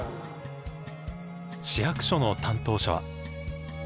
市役所の担当者は。